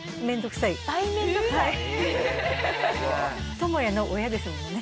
トモヤの親ですもんね。